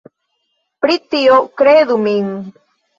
Pri tio kredu min.